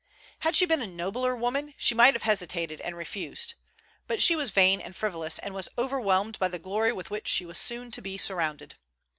Had she been a nobler woman, she might have hesitated and refused; but she was vain and frivolous, and was overwhelmed by the glory with which she was soon to be surrounded.